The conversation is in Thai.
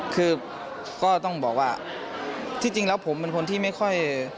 คือก็ต้องบอกว่าที่จริงแล้วผมเป็นคนที่ไม่ค่อย